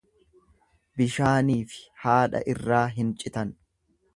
Bishaaniifi haadha irraa hin citan.